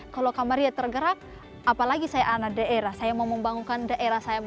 kalau kamarnya tergerak apalagi saya anak daerah saya mau membangunkan daerah saya